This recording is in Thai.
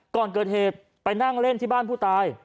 ก่อนเกิดเหตุไปนั่งเล่นที่บ้านผู้ตาย